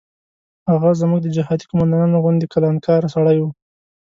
هغه زموږ د جهادي قوماندانانو غوندې کلانکاره سړی و.